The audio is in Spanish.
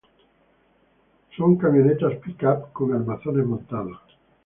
Son camionetas pick up con armazones montados.